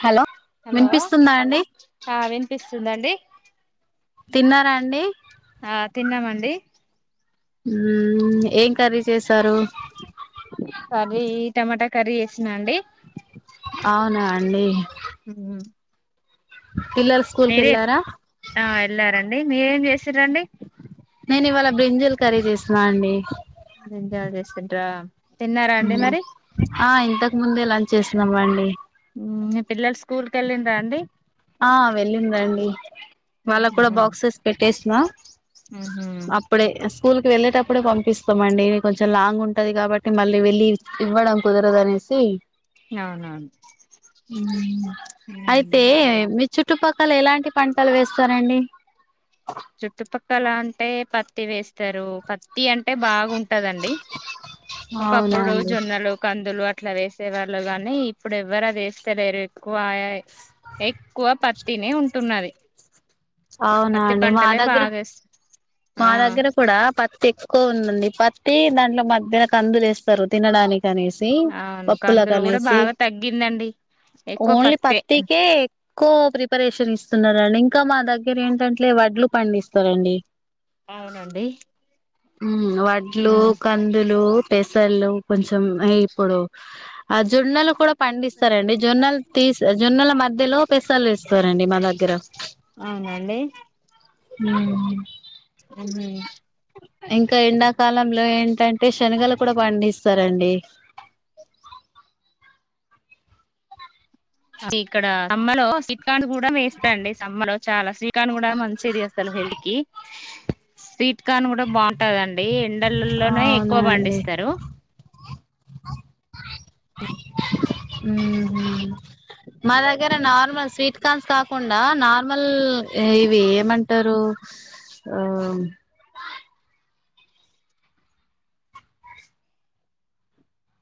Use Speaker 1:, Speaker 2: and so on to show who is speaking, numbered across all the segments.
Speaker 1: hello
Speaker 2: hello
Speaker 1: వినిపిస్తుందా అండి
Speaker 2: ఆ వినిపిస్తుందండి
Speaker 1: తిన్నారా అండి
Speaker 2: ఆ తిన్నామండి
Speaker 1: మ్మ్ ఏం కర్రీ చేసారు
Speaker 2: కర్రీ టమాటా కర్రీ చేసినా అండి
Speaker 1: అవునా అండి పిల్లలు స్కూల్ కెల్లారా
Speaker 2: డి మీరేం చేసిరండి
Speaker 1: నే ఇవాళ బ్రింజల్ కర్రీ చేసునా అండి
Speaker 2: బ్రింజాల్ చేసింట్రా
Speaker 1: మ్మ్ హాయ్ ఇంతకు ముందే లంచ్ చేసినామండి
Speaker 2: మ్మ్ మీ పిల్లలు స్కూల్ కెళ్ళిండ్రా అండి
Speaker 1: ఆ వెళ్ళింది అండి వాళ్ళక్కూడా బాక్సెస్ పెట్టేసిన
Speaker 2: ఉహు
Speaker 1: అప్పుడే స్కూల్ కి వెళ్ళేటప్, ఇప్పుడే పంపిస్తామండి కొంచెం లాంగ్ ఉంటది కాబట్టి మళ్ళీ వెళ్ళి ఇవ్వడం కుదరదు అనేసి మ్మ్
Speaker 2: మ్
Speaker 1: చుట్టుపక్కల ఎలాంటి పంటలు వేస్తనండి
Speaker 2: పక్కలా అంటే పత్తి వేస్తారు పత్ తి అంటే బాగుంటదండి
Speaker 1: అవునా
Speaker 2: ఒకప్పుడు
Speaker 1: అండి
Speaker 2: జొన్నలు కందులు అ ఇట్లా వేసే వాళ్ళు గాని ఇప్పుడు ఎవరు అది వేస్తే లేరు ఎక్కువ ఎక్కువ ప తినే ఉంటున్నది
Speaker 1: అవునా
Speaker 2: పత్తి
Speaker 1: అండి మా
Speaker 2: పంటలే
Speaker 1: దగ్గర
Speaker 2: బాగా ఎస్
Speaker 1: మా
Speaker 2: ఆ
Speaker 1: దగ్గర కూడా పత్ ఎక్కువ ఉందంది పత్తి దాంట్లో మధ్యాయన కందులు వేస్తారు తినడానికి కనేసి
Speaker 2: అవును
Speaker 1: పప్పుల
Speaker 2: కందులు కూడా
Speaker 1: కనేసి
Speaker 2: బాగా తగ్గిందండి ఎక్కువ
Speaker 1: ఓన్లీ
Speaker 2: పత్తే
Speaker 1: పత్తికే ఎక్కువ ప్రిపరేషన్ స్తున్నారండి ఇంకా మా దగ్గ దగ్గర ఏంటంటే వడ్లు పండిస్తారండి
Speaker 2: అవునండి
Speaker 1: మ్ వడ్లు కందులు పెసళ్లు కొంచెం ఇప్పుడు ఆ జొన్నలు కూడ పండిస్తారండి జొన్నలు తీసి జొన్నల మధ్యలో పెసర్లు వేస్తారండి మా దగ్గ ఆ
Speaker 2: అవునండి
Speaker 1: ఉమ్ ఇంకా ఎండాకాలంలో ఏంటం అంటే శనగలు కూడా పండిస్తారండి
Speaker 2: ఇక్కడ కూడా వేస్తాండి సమ్మర్ చాలా స్వీట్ కార్న్ కూడ మంచిది అసలు హెల్త్ కి స్వీట్ కార్న్ కూడా బాగుంటాదం డి ఎండలల్లోనే
Speaker 1: అవునా
Speaker 2: ఎక్కువ
Speaker 1: అండి
Speaker 2: పండిస్తరు
Speaker 1: మా దగ్గర నార్మల్ స్వీట్ కార్న్స్ కాకుండా నార్మల్ ఇవి ఏమంటారు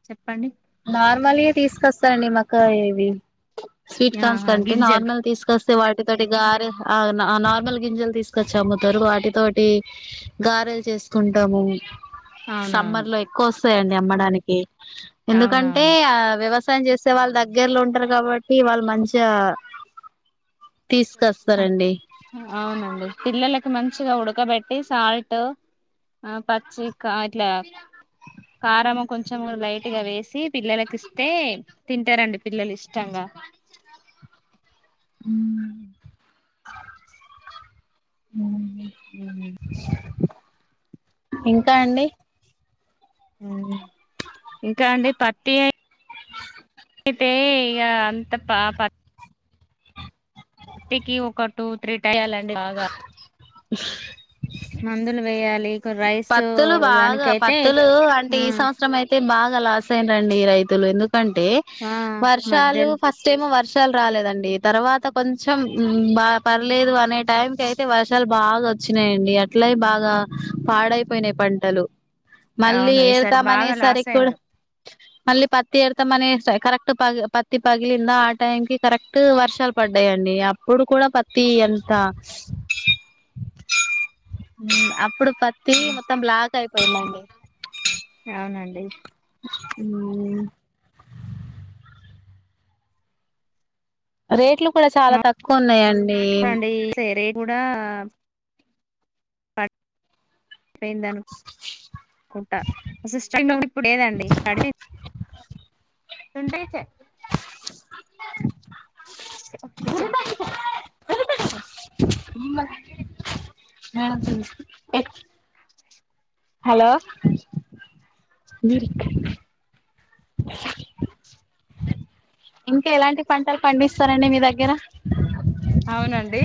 Speaker 2: చెప్పండి
Speaker 1: నార్మల్గా తీసుకొస్తారంండి మాక్క ఇవి స్వీట్ కార్న్స్
Speaker 2: ఆహా
Speaker 1: కంటే
Speaker 2: గింజలు
Speaker 1: నార్మల్ తీసుకొస్త తో వాటితోటి గారె ఆ నార్మల్ గింజలు తీసుకొచ్చి అమ్ముతారు వాటితోటి గారెలు చేసుకుంటాము
Speaker 2: అవునవును
Speaker 1: సమ్మర్ లో ఎక్కువ వస్తు వస్తాయండి అమ్మడానికి ఎందుకంటే
Speaker 2: అవునవును
Speaker 1: ఆ వ్యవస్ వా చేస్తే వాళ్ళు దగ్గర్లో ఉంటారు కాబట్టి వాళ్ళు మంచిగా తీసుకొస్తారండి
Speaker 2: అవునండి పిల్లలలకు మంచిగా ఉడ ఉక్కబట్టి సాల్ట్ ఆ పచ్చి ఇట్లా కారంము కొంచెం లైట్గా వేసి పిల్లలకి ఇస్తే తింటారండి పిల్లలు ఇష్టంగా
Speaker 1: ఉమ్ ఉమ్ ఇంకా అండి
Speaker 2: ఇంకా అండి పట్టి అయి అయితే ఇక అంత పా పత్తటికి ఒక టూ త్రీడ్ కాయాలండి బాగా
Speaker 1: [unintelligible]
Speaker 2: మందులు వేయాలి రైస్
Speaker 1: పత్తులు బాగా
Speaker 2: దానికైతే
Speaker 1: పత్తులు అంటే
Speaker 2: ఆ
Speaker 1: ఈ సంవత్సరం అయితే బాగా లాస్ అయిన రండి రైతులు ఎందుకు ప్యాంటే
Speaker 2: ఆ
Speaker 1: వర్షాలు
Speaker 2: మధ్యలో
Speaker 1: ఫస్ట్ ఏమో వర్శ వర్షాలు రాలేదండి తర్వాత కొంచెం బాగా పర్లేదు అనే టైం క అయితే వర్షాలు బాగా వచ్చినాయండి అట్లా బాగా పాడైపోయినాయి పంటలు మళ్ళీ
Speaker 2: అవును ఈసారి
Speaker 1: వేళ్తామనీ
Speaker 2: బాగా
Speaker 1: సరి
Speaker 2: లాస్
Speaker 1: కూడా
Speaker 2: అయిండ్రు
Speaker 1: మళ్ళీ పత్తి ఎడతామని కరెక్ట్ ప పత్తి పగిలిందా ఆ టైం కి కరెక్ట్ వర్షాలు పడ్డాయండి అప్పుడు కూడా పత్తి ఎంత అప్పుడు మొత్తం బ్లాక్ అయిపో పోయింది అండి
Speaker 2: అవునండి
Speaker 1: ఉమ్ రేట్లు కూడా చాలా తక్కువ ఉన్నాయంండి
Speaker 2: అవునండి రేట్ కూడా అపోయిందనుంట అష్టంగా ఇప్పుడు ఏదండిడింది విచ
Speaker 1: [inaudible] మేనత్తలు [inaudible] హలో [inaudible] [inaudible] ఇంకా ఎలాంటి పంటలు పండిస్తారండి మీ దగ్గర
Speaker 2: అవునండి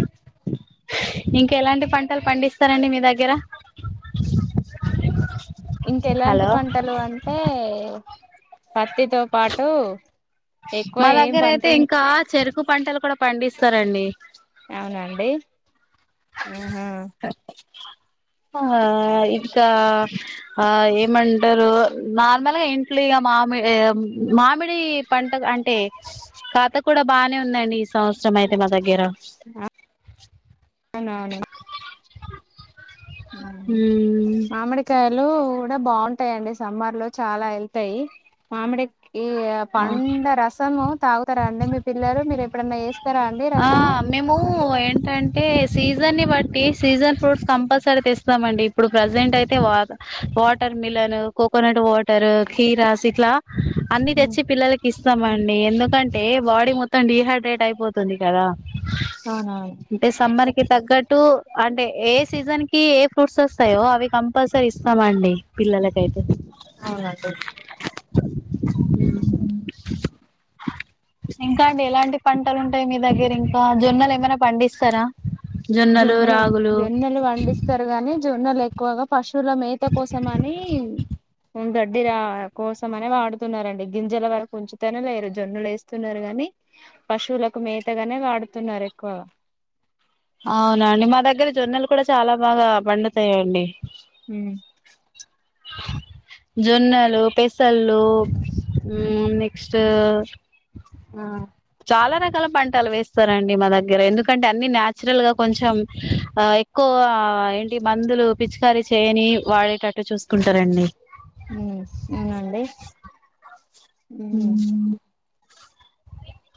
Speaker 1: ఇంక ఎలాంటి పంటలు పండిస్తారండి మీ దగ్గర
Speaker 2: ఇంక ఎలాంటి
Speaker 1: హలో
Speaker 2: పంటలు అంటే పత్తితో పాటు ఎక్కువ
Speaker 1: మా
Speaker 2: ఏం
Speaker 1: దగ్గర అయితే
Speaker 2: పంటి
Speaker 1: ఇంకా చెరుకు పంటలు ఇక్కడ పండిస్తారండి
Speaker 2: అవునా అండి ఆహా
Speaker 1: ఆ ఇ కా ఆ ఏ ఏమంటారు నార్మల్ గా ఇంట్లు మామిడి మామిడి పంట అంటే కథ కూడా బానే ఉందండి సంవత్సరం అయితే మా దగ్గర [inaudible] [inaudible]
Speaker 2: అవునవును
Speaker 1: హుమ్మ్
Speaker 2: లు కూడా బాగుంటాయిండి సమ్మర్ లో చాలా వెళ్తాయి మామిడి ఈ పండ్ల రసము తాగుతారా అండి మీ పిల్లలు మీరు ఎప్పుడన్నా చేస్తారా అండి
Speaker 1: ఆ
Speaker 2: రసము
Speaker 1: మేము ఏంటంటే సీజన్ని బట్టి సీజన్ ఫ్రూట్స్ కంపల్సరీ తెస్తామండి ఇప్పుడు ప్రజెంట్ అయితే వా వాటర్ మిలన్ కోకోనట్ వాటర్ కీరాస్ ఇట్లా అన్ని తెచ్చి పిల్లలకి ఇస్త అండి ఎందుకంటే బాడీ మొత్తం డిీహైడ్రేట్ అయిపోతుంది కదా
Speaker 2: అవునవును
Speaker 1: అంటే సమ్మర్ తగ్గట్టు అంటే ఏ సీజన్ కి ఏ ఫ్రూట్స్ వస్తాయో అవి క కంపల్సరీ ఇస్తామ అండి పిల్లలకైతే
Speaker 2: అవునండి
Speaker 1: ఇంకా అండి ఎలాంటి ఉంటాయి ఇంకా మీ దగ్గర ఇంకా జొన్నలు ఏమైనా పండిస్తారా
Speaker 2: జొన్నలు జొన్నలు పండిస్తరు గాని జొన్నలు ఎక్కువగ పాస్ట్ పశువుల మేత కోసమని గడ్డి రా కోసం అనే వాడుతున్నారండి గింజల వరకు ఉంచుతేనే లేరు జొన్నులు వేస్తున్నారు కాగాని పశువులకు మేతగానే వాడుతున్నారు ఎక్కువగ
Speaker 1: అవునండి మా దగ్గర జొన్నలు కూడా చాలా బాగా పండుతాయండి
Speaker 2: హమ్
Speaker 1: జొన్నలు పెసళ్ళు హమ్ నెక్స్ట్
Speaker 2: ఆ
Speaker 1: చాలా రకాల పంటలు వేస్తారండి మా దగ్గర ఎందుకంటే అన్ని నాచురల్ గా కొంచెం ఆ ఎక్కువ ఏంటి మందులు పిచికారి చేయని వాడేటట్టు చూసుకుంటారండి
Speaker 2: హమ్ హమ్ అండి
Speaker 1: హమ్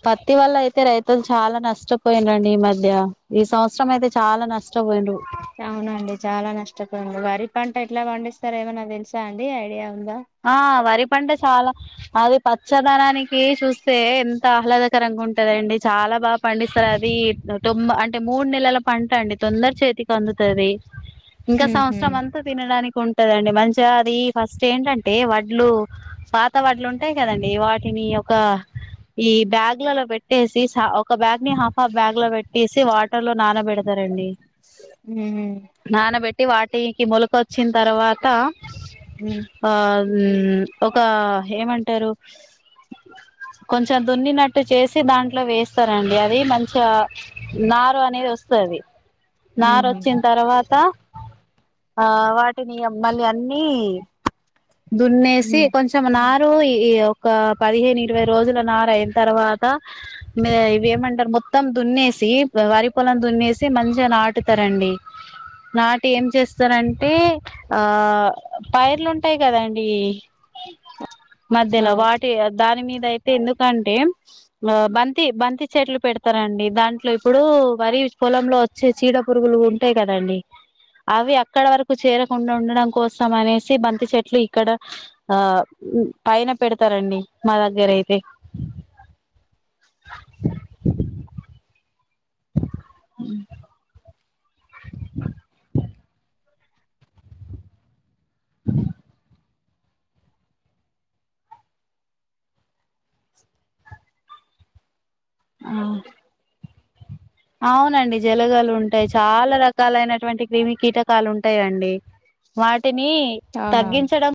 Speaker 1: పత్తి వల్ల అయితే రైతులు చాలా పోయాడ్రండి ఈ మధ్య ఈ సంవత్సరం అయితే చాలా నష్టపోయిండ్రూ
Speaker 2: అవునండి చాలా వరి పంట ఎట్ల పండిస్తారు ఏమైన్నా తెలుసా అండి ఐడియా ఉందా
Speaker 1: ఆ వరి పంట చాలా అది పచ్చదనానికి చూస్తే ఎంత ఆహ్లాదకరంగా ఉంటదండి చాలా బాగా పండిస్తారు అది తొమ్ అంటే మూడు నెలల పంట అండి తొందర చేతికి అందుతది ఇంకా
Speaker 2: ఉహు
Speaker 1: సంవత్సరం అంతా తినడానికి ఉంటదండి మంచిగా అది ఫస్ట్ ఏంటంటే అంటే వడ్లు పాత వడ్లు ఉంటాయి కదండీ వా ననియ ఒక ఈ బ్యాగ్లలో పెట్టేసి ఒక బ్యాగ్ ని హాఫ్ బ్యాగ్ లో పెట్టేసి వాటర్ లో నానబెడ సరే అండి
Speaker 2: హమ్
Speaker 1: వాటికి మొలకొచ్చిన తర్వాత
Speaker 2: ఉమ్
Speaker 1: ఆ ఒక ఏమంటరు కొంచెం దున్నినట్టు చేసి దాంట్లో వేస్తారండి అది మంచిగ నారు అనేది వస్తోంది నారా
Speaker 2: ఉహు
Speaker 1: ఒచ్చిన తర్వాత ఆ వాటిని మళ్ళీ అన్ని దున్నేసి
Speaker 2: ఉమ్
Speaker 1: కొంచెం నా ఈ ఒక పదిహేను ఇరవై రోజుల నార అయిన తర్వాత ఇవి ఏమంటరు మొత్తం దున్నేసి వరి పొలం దున్నేసి మంచిగా నాటుతరండి నాటి ఏం చేస్తారంటే ఆ పైర్లుంటే ఉంటాయి కదండి మధ్యలో
Speaker 2: అవు
Speaker 1: వాటి దాని మీద అయితే ఎందుకంటే ఆ బంతి బంతి చెట్లు పెడతారండి దాంట్లో ఇప్పుడు వరి పొలంలో వచ్చే చీడ పురుగులు ఉంటాయి కదండి అవి అక్కడ వరకు చేరకుండా ఉండడం కోసం అనే బంతి చెట్లు ఇక్కడ ఆ పైన పెడతరండి మా దగ్గర అయితే హమ్ ఆ అవునండి జలగలు ఉంటాయి చాలా రకాలైనటువంటి క్రిమి కీటకాలు ఉంటాయండి వాటి వాటిని
Speaker 2: అవునవును
Speaker 1: తగ్గించడం